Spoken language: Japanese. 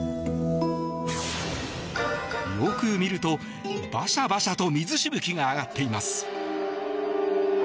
よく見るとバシャバシャと水しぶきが上がっています。